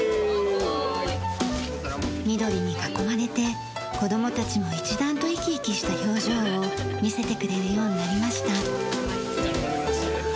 緑に囲まれて子供たちも一段と生き生きした表情を見せてくれるようになりました。